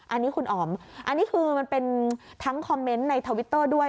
อันนี้คุณอ๋อมอันนี้คือมันเป็นทั้งคอมเมนต์ในทวิตเตอร์ด้วย